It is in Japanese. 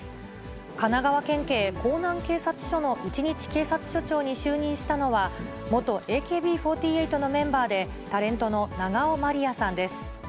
神奈川県警港南警察署の一日警察署長に就任したのは、元ＡＫＢ４８のメンバーで、タレントの永尾まりやさんです。